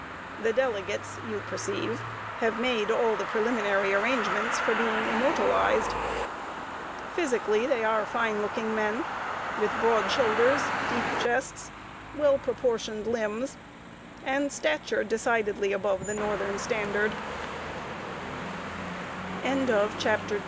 The delegates, you perceive, have made all the preliminary arrangements for being immortalized. Physically, they are fine looking men, with broad shoulders, deep chests, well proportioned limbs, and stature decidedly above the no